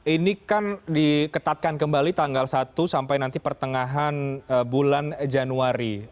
ini kan diketatkan kembali tanggal satu sampai nanti pertengahan bulan januari